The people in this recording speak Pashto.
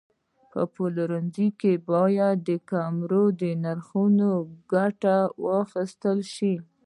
په پلورنځي کې باید د کمو نرخونو ګټه واخیستل شي.